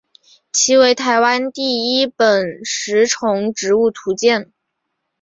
其为台湾第一本食虫植物图鉴。